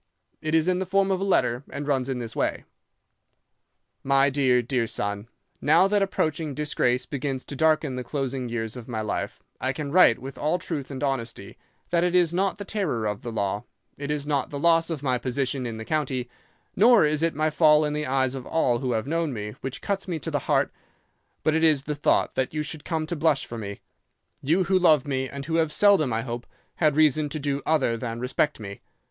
It is in the form of a letter, and runs in this way: "'My dear, dear son,—Now that approaching disgrace begins to darken the closing years of my life, I can write with all truth and honesty that it is not the terror of the law, it is not the loss of my position in the county, nor is it my fall in the eyes of all who have known me, which cuts me to the heart; but it is the thought that you should come to blush for me—you who love me and who have seldom, I hope, had reason to do other than respect me.